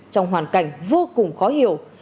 trong hoàn cảnh vô cùng khó hiểu